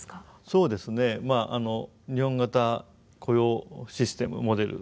そうですね日本型雇用システムモデル